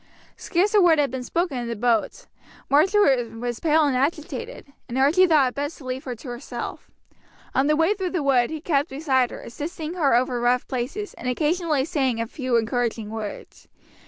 Scarce a word had been spoken in the boat. Marjory was pale and agitated, and Archie thought it best to leave her to herself. On the way through the wood he kept beside her, assisting her over rough places, and occasionally saying a few encouraging words.